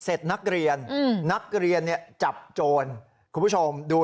เสร็จนักเรียนนักเรียนนทเนี่ยจับโจรข้อผู้ชมดู